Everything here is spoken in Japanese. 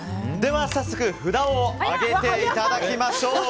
早速札を上げていただきましょう。